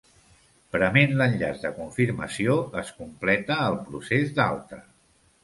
Prement l'enllaç de confirmació es completa el procés d'alta.